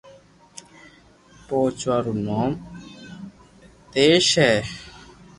پوچوا رو نوم نيتيس ھي